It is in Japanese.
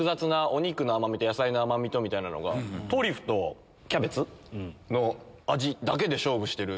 お肉の甘みと野菜の甘みとみたいなのがトリュフとキャベツの味だけで勝負してる。